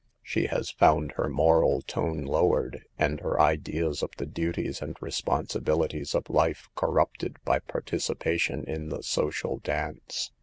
She has found her moral tone lowered, and her ideas of the duties and re sponsibilities of life corrupted by participation in the social dance.